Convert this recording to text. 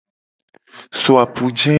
So apuje.